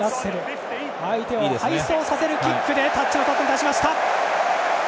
相手を背走させるキックでタッチの外に出しました。